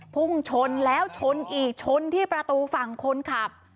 พุ่งชนแล้วชนอีกชนที่ประตูฝั่งคนขับ